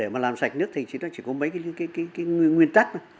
một là tách nước thải